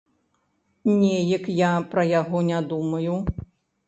Неяк я пра яго не думаю.